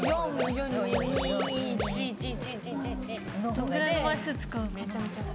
どんくらいの枚数使うかな？